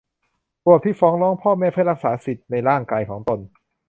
ขวบที่ฟ้องร้องพ่อแม่เพื่อรักษาสิทธิ์ในร่างกายของตน